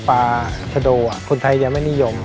ปลาชโดอ่ะคนไทยจะไม่นิยม